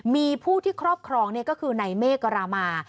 มีผู้ที่ครอบครองก็คือในเมกรามา